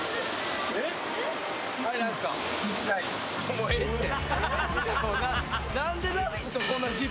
もうええて！